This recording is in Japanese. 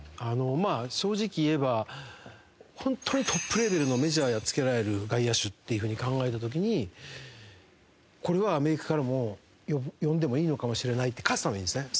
まあ正直言えば本当にトップレベルのメジャーをやっつけられる外野手っていう風に考えた時にこれはアメリカからも呼んでもいいのかもしれないって勝つためにですね。